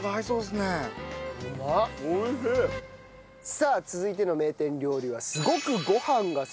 さあ続いての名店料理は。